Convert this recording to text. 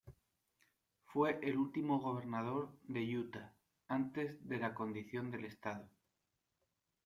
Fue el último Gobernador de Utah antes de la condición del estado.